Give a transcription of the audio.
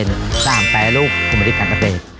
สามแปลลูกคุณบริกันก็เป็น